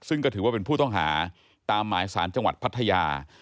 ซึ่งก็ถือว่าเป็นผู้ต้องหาตามหมายสารจังหวัดพัทยา